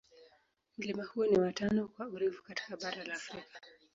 Mlima huo ni wa tano kwa urefu katika bara la Afrika.